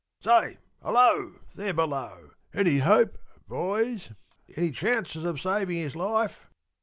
Say, hello! there below any hope, boys, any chances of saving his life?"